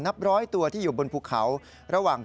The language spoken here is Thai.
นับร้อยตัวที่อยู่บนภูเขาระหว่าง